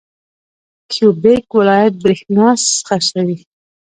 کیوبیک ولایت بریښنا خرڅوي.